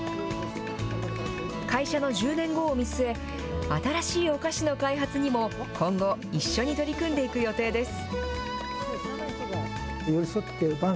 会社の１０年後を見据え、新しいお菓子の開発にも今後、一緒に取り組んでいく予定です。